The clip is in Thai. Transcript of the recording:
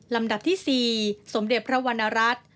ลำดับที่๔สมเด็จพระวรรณรัฐ